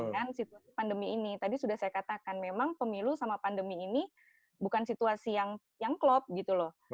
kan situasi pandemi ini tadi sudah saya katakan memang pemilu sama pandemi ini bukan situasi yang klop gitu loh